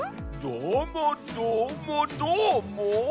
どーもどーもどーも！